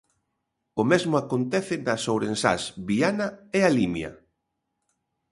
O mesmo acontece nas ourensás Viana e a Limia.